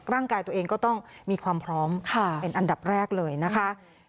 ร่างกายตัวเองก็ต้องมีความพร้อมเป็นอันดับแรกเลยนะคะ